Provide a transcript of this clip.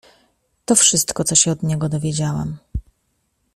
"To wszystko, co się od niego dowiedziałam."